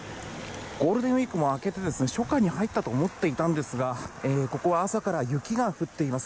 ゴールデンウィークも明けて初夏に入ったと思っていたんですがここは朝から雪が降っています。